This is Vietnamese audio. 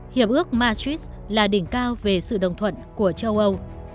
hiệp ước matrix là đỉnh cao về sự đồng thuận của châu âu